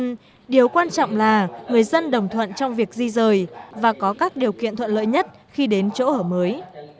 nhưng điều quan trọng là người dân đồng thuận trong việc di rời và có các điều kiện thuận lợi nhất khi đến chỗ ở mới